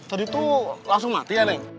tadi tuh langsung mati ya neng